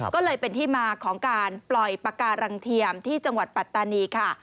ก็เลยเป็นที่มาของการปล่อยปากการังเทียมที่จังหวัดปัตตานีค่ะ